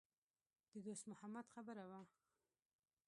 د دوست محمد خبره وه.